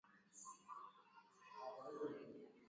mkataba huu wa mauaji unasaidia katika uchambuzi